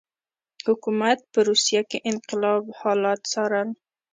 حکومت په روسیه کې انقلاب حالات څارل.